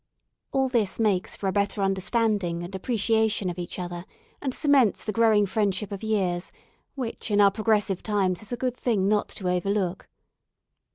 All this makes for a better understanding and appreciation of each other and cements the growing friendship of years, which in our progressive times is a good thing not to overlook.